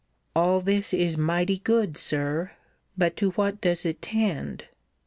All this is mighty good, Sir: But to what does it tend?